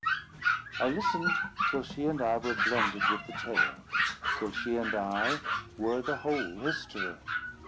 I listened till she and I were blended with the tale; till she and I were the whole history.